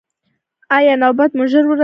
ایا نوبت مو ژر ورسید؟